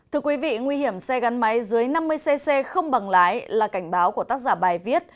thưa quý vị nguy hiểm xe gắn máy dưới năm mươi cc không bằng lái là cảnh báo của tác giả bài viết